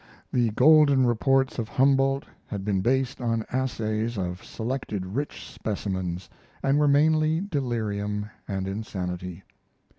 The golden reports of Humboldt had been based on assays of selected rich specimens, and were mainly delirium and insanity.